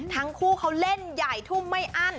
ทั้งคู่เขาเล่นใหญ่ทุ่มไม่อั้น